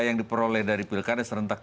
yang diperoleh dari pilkada serentak